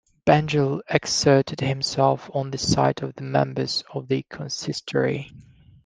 Bengel exerted himself on the side of the members of the consistory.